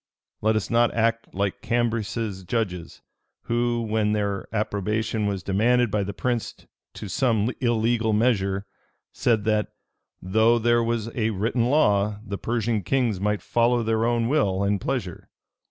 Let us not act like Cambyses's judges, who, when their approbation was demanded by the prince to some illegal measure, said, that 'Though there was a written law, the Persian kings might follow their own will and pleasure.